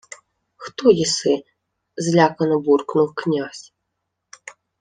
— Хто єси? — злякано буркнув князь.